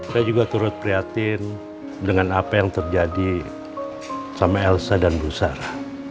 saya juga turut prihatin dengan apa yang terjadi sama elsa dan busara